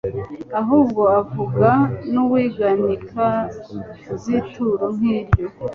ahubwo avuga n'uiganika z'ituro nk'iryo.